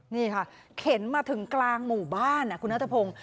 นี่ค่ะเข็นมาถึงกลางหมู่บ้านคุณนัทพงศ์